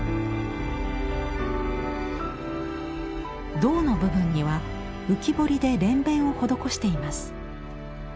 胴の部分には浮き彫りで蓮弁を施しています。